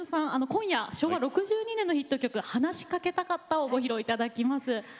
今夜昭和６２年のヒット曲「話しかけたかった」をご披露いただきます。